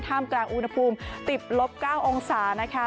ท่ามกลางอุณหภูมิ๑๐๙องศานะคะ